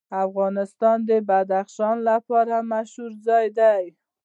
افغانستان د بدخشان لپاره مشهور دی.